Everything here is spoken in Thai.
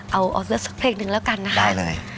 เอาเลือกสักเพลงหนึ่งแล้วกันนะฮะ